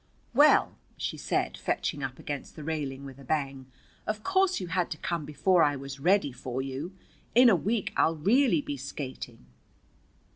"Well," she said, fetching up against the railing with a bang, "of course you had to come before I was ready for you! In a week I'll really be skating."